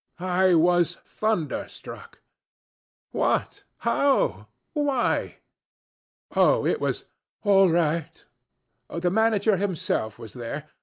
I was thunderstruck. What, how, why? Oh, it was 'all right.' The 'manager himself' was there.